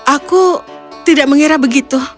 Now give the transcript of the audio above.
aku tidak mengira begitu